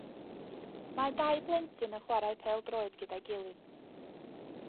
Mae dau blentyn yn chwarae pêl-droed gyda'i gilydd.